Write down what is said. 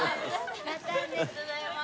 ありがとうございます。